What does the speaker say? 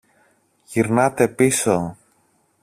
Γυρνάτε πίσω!